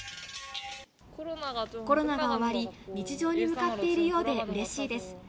コロナが終わり、日常に向かっているようでうれしいです。